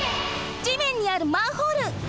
じめんにあるマンホール。